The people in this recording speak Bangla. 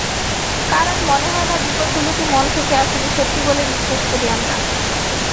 কারণ মনে হয় না বিপদগুলোকে মন থেকে আসলে সত্যি বলে বিশ্বাস করি আমরা।